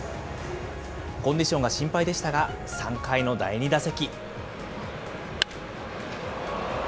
コンディションが心配でしたが、３回の第２打席。